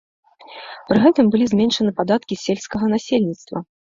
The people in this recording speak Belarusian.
Пры гэтым былі зменшаны падаткі з сельскага насельніцтва.